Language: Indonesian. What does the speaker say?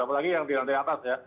apalagi yang di lantai atas ya